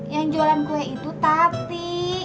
yang jualan kue itu tati